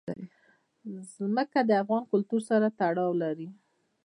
ځمکه د افغان کلتور سره تړاو لري.